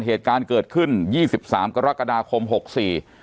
เหตุการณ์เกิดขึ้นยี่สิบสามกรกฎาคมหกสี่